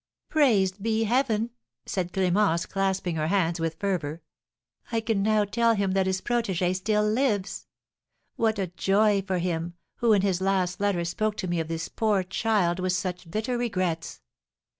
"Praised be Heaven!" said Clémence, clasping her hands with fervour; "I can now tell him that his protégée still lives! What joy for him who, in his last letter, spoke to me of this poor child with such bitter regrets!